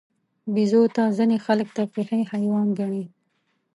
بیزو ته ځینې خلک تفریحي حیوان ګڼي.